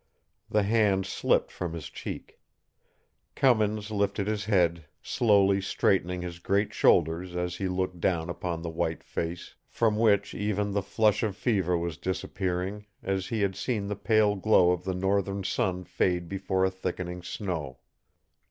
The hand slipped from his cheek. Cummins lifted his head, slowly straightening his great shoulders as he looked down upon the white face, from which even the flush of fever was disappearing, as he had seen the pale glow of the northern sun fade before a thickening snow.